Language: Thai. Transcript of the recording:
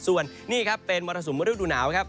ส่วนนี่ครับเป็นมรสุมฤดูหนาวครับ